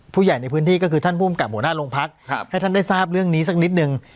ผู้ใหญ่ในพื้นที่ก็คือท่านภูมิกับหัวหน้าโรงพักให้ท่านได้ทราบเรื่องนี้สักนิดนึง